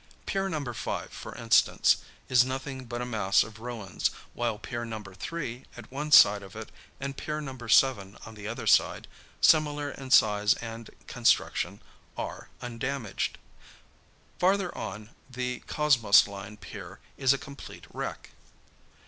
Pier No. 5, for instance, is nothing but a mass of ruins, while Pier No. 3, on one side of it and Pier No. 7, on the other side, similar in size and construction, are undamaged. Farther on, the Kosmos Line pier is a complete wreck."